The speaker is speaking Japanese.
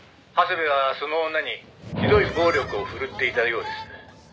「長谷部はその女にひどい暴力を振るっていたようです」